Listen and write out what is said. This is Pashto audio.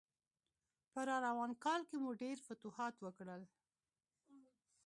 په راروان کال کې مو ډېر فتوحات وکړل.